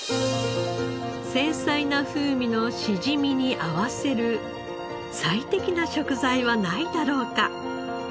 繊細な風味のしじみに合わせる最適な食材はないだろうか？